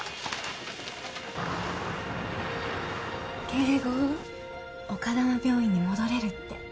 圭吾丘珠病院に戻れるって。